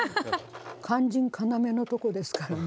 肝心要のとこですからね。